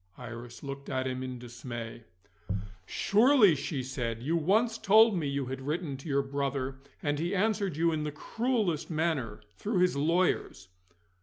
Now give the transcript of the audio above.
Iris looked at him in dismay. "Surely," she said, "you once told me you had written to your brother, and he answered you in the cruellest manner through his lawyers."